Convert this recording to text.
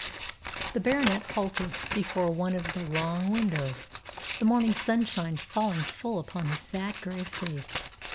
The Baronet halted before one of the long windows, the morning sunshine falling full upon his sad, grey face.